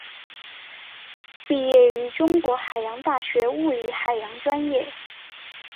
毕业于中国海洋大学物理海洋专业。